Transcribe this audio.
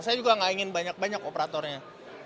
saya juga gak ingin banyak banyak operatornya